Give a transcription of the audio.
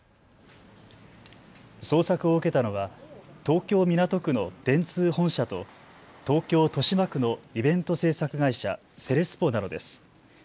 捜索を受けたのは東京港区の電通本社と東京豊島区のイベント制作会社、セレスポなどです。